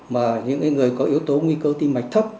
mà những người có yếu tố nguy cơ tim mạch thấp